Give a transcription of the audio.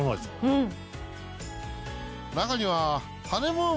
うん。